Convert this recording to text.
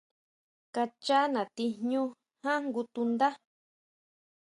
Kachá natí jñú ján jngu tundá.